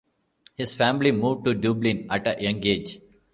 His family moved to Dublin at a young age.